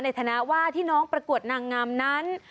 ในฐานะว่าที่น้องประกวดนางงามนั้น